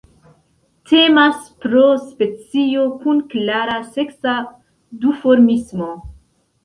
Temas pro specio kun klara seksa duformismo.